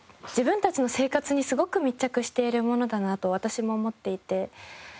自分たちの生活にすごく密着しているものだなと私も思っていて。